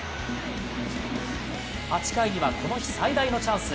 ８回にはこの日、最大のチャンス。